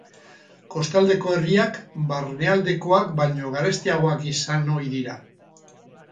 Kostaldeko herriak barnealdekoak baino garestiagoak izan ohi dira.